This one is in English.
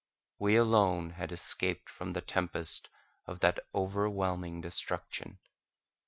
We alone had escaped from the tempest of that overwhelming destruction.